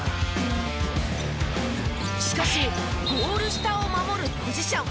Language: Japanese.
しかしゴール下を守るポジション。